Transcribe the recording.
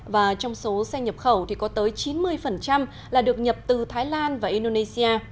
và trong số xe nhập khẩu thì có tới chín mươi là được nhập từ thái lan và indonesia